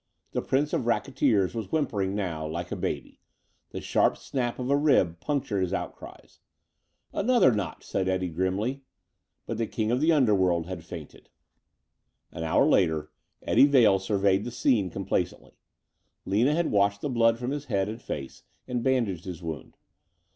The prince of racketeers was whimpering now, like a baby. The sharp snap of a rib punctured his outcries. "Another notch," said Eddie grimly. But the king of the underworld had fainted. An hour later Eddie Vail surveyed the scene complacently. Lina had washed the blood from his head and face and bandaged his wound.